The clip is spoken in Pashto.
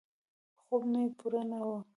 خوب مې پوره نه و.